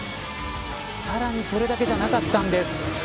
さらにそれだけじゃなかったんです。